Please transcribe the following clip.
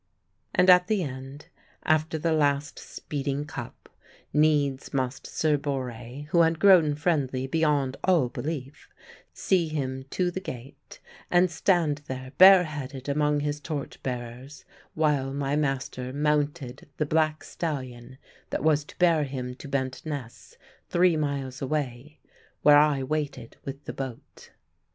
And at the end, after the last speeding cup, needs must Sir Borre (who had grown friendly beyond all belief) see him to the gate and stand there bare headed among his torch bearers while my master mounted the black stallion that was to bear him to Bent Ness, three miles away, where I waited with the boat.